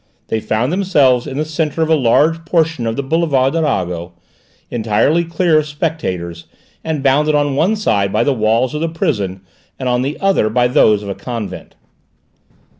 They found themselves in the centre of a large portion of the boulevard Arago, entirely clear of spectators, and bounded on one side by the walls of the prison, and on the other by those of a convent.